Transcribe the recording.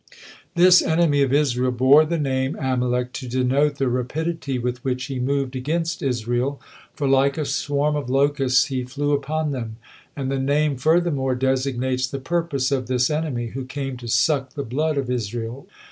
This enemy of Israel bore the name Amalek to denote the rapidity with which he moved against Israel, for like a swarm of locusts he flew upon them; and the name furthermore designates the purpose of this enemy, who came to suck the blood of Israel.